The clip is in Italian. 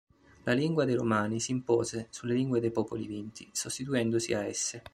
La lingua dei romani si impose sulle lingue dei popoli vinti, sostituendosi a esse.